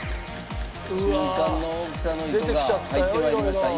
入って参りました。